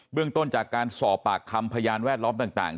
เรื่องต้นจากการสอบปากคำพยานแวดล้อมต่าง